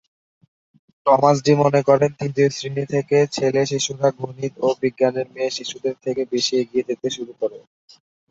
Thomas D মনে করেন, তৃতীয় শ্রেনী থেকে ছেলে শিশুরা গণিত ও বিজ্ঞানে মেয়ে শিশুদের থেকে বেশি এগিয়ে যেতে শুরু করে।